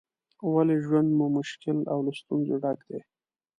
ولې ژوند مو مشکل او له ستونزو ډک دی؟